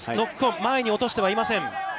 前に落としてはいません。